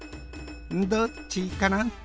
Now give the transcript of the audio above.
どっちかな？